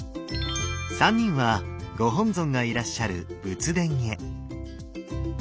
３人はご本尊がいらっしゃる仏殿へ。